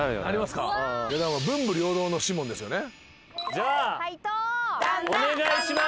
じゃあお願いします。